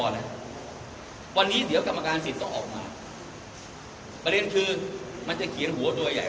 แล้วเดี๋ยวจะต้องมีประเด็นอะไรครับ